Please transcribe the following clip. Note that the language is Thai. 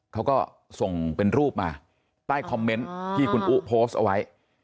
เขาก็ส่งเป็นรูปมาใต้คอมเมนต์ที่คุณอุ๊โพสต์เอาไว้